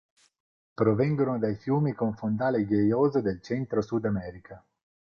Provengono dai fiumi con fondale ghiaioso del centro-Sud America.